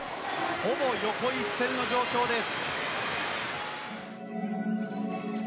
ほぼ横一線の状況です。